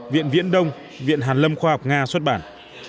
viện viễn đông viện hàn lâm khoa học nga xuất bản